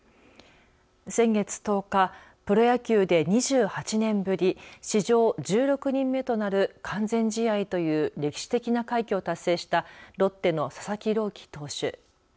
先月１０日、プロ野球で２８年ぶり史上１６人目となる完全試合という歴史的な快挙を達成したロッテの佐々木朗希投手。